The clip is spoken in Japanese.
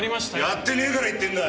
やってねえから言ってんだ！